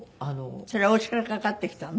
それお家からかかってきたの？